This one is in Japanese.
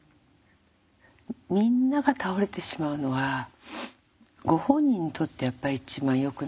みんなが倒れてしまうのはご本人にとってやっぱり一番よくないですもんね。